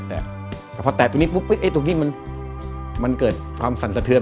แต่พอแตะตรงนี้มันเกิดความสั่นสะเทือน